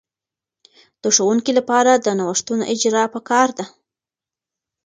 د ښوونکې لپاره د نوښتونو اجراء په کار ده.